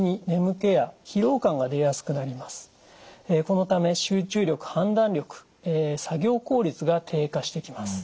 このため集中力判断力作業効率が低下してきます。